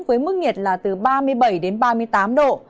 với mức nhiệt là từ ba mươi bảy đến ba mươi tám độ